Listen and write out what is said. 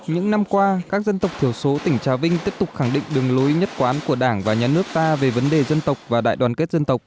những năm qua các dân tộc thiểu số tỉnh trà vinh tiếp tục khẳng định đường lối nhất quán của đảng và nhà nước ta về vấn đề dân tộc và đại đoàn kết dân tộc